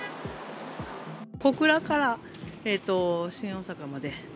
小倉から新大阪まで。